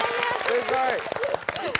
正解！